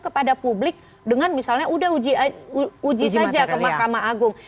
kepada publik dengan misalnya udah uji saja ke mahkamah agung